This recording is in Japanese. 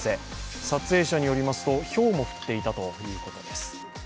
撮影者によりますとひょうも降っていたということです。